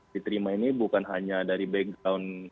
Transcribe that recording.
diterima ini bukan hanya dari background